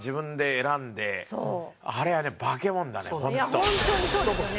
いや本当にそうですよね。